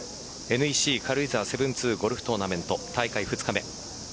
ＮＥＣ軽井沢７２ゴルフトーナメント大会２日目。